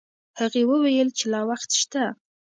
هغې وویل چې لا وخت شته.